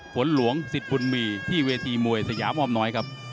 ฝนหลวงสิทธิ์บุญมีที่เวทีมวยสยามอ้อมน้อยครับ